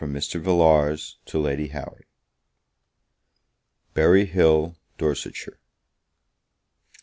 VILLARS TO LADY HOWARD Berry Hill, Dorsetshire.